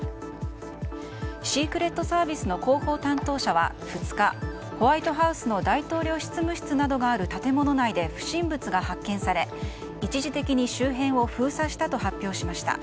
シークレットサービスの広報担当者は２日２日、ホワイトハウスの大統領執務室がある建物内で不審物が発見され一時的に周辺を封鎖したと発表しました。